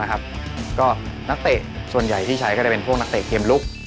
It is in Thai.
การเตะส่วนใหญ่ความใช้เป็นเข้มลุก